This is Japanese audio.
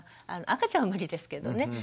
赤ちゃんは無理ですけどね。